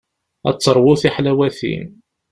Ad teṛwu tiḥlawatin.